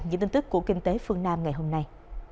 những tin tức của kinh tế phương nam ngày hôm nay